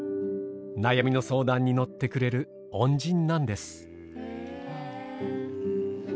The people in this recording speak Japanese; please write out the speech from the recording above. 悩みの相談に乗ってくれる恩人なんです。